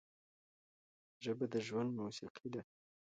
ژبه د ژوند موسیقي ده